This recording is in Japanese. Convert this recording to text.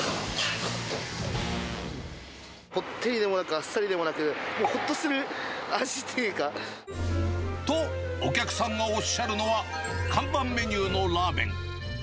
こってりでもなく、あっさりと、お客さんがおっしゃるのは、看板メニューのラーメン。